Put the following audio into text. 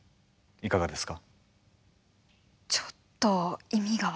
いかがですか？